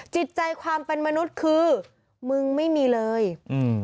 จิตใจความเป็นมนุษย์คือมึงไม่มีเลยอืม